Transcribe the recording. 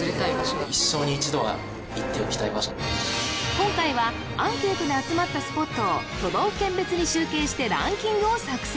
今回はアンケートで集まったスポットを都道府県別に集計してランキングを作成